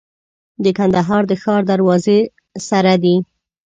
د کندهار د ښار دروازې سره دی.